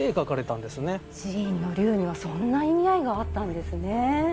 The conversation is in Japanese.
寺院の龍にはそんな意味合いがあったんですね。